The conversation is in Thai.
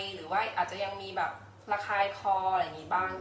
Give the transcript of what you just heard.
หรือว่าอาจจะยังมีแบบระคายคออะไรอย่างนี้บ้าง